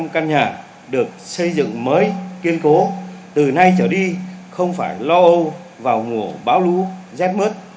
một bốn trăm linh căn nhà được xây dựng mới kiên cố từ nay trở đi không phải lo âu vào ngủ báo lũ rét mứt